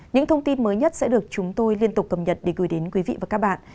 những thông tin mới nhất sẽ được chúng tôi liên tục cập nhật để gửi đến quý vị và các bạn